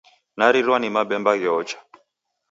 Narirwa ni mabemba gheocha.